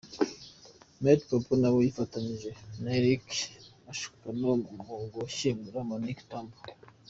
Mighty Popo na we yifatanyije na Eric Mashukano mu gushyingura Monique Tambo.